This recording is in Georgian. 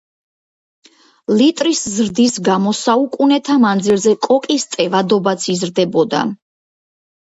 ლიტრის ზრდის გამო საუკუნეთა მანძილზე კოკის ტევადობაც იზრდებოდა.